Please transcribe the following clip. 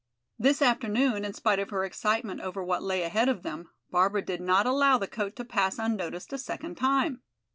This afternoon, in spite of her excitement over what lay ahead of them, Barbara did not allow the coat to pass unnoticed a second time.